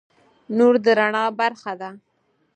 نور د رڼا برخه ده.